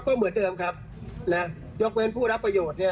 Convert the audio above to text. ก็เหมือนเดิมครับนะยกเว้นผู้รับประโยชน์เนี่ย